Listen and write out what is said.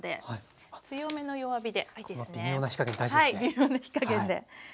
微妙な火加減で。